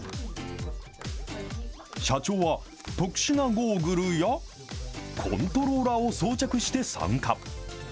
社長は、特殊なゴーグルやコントローラーを装着して参加。